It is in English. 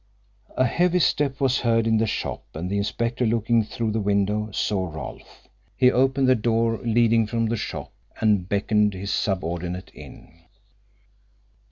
A heavy step was heard in the shop, and the inspector, looking through the window, saw Rolfe. He opened the door leading from the shop and beckoned his subordinate in.